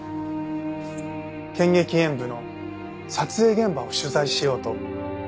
『剣戟炎武』の撮影現場を取材しようと。